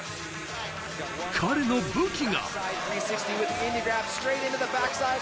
彼の武器が。